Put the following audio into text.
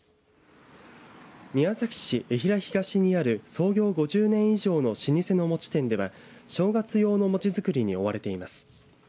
宮崎市、江平東にある創業５０年以上の老舗の餅店では正月用の餅作りに追われています。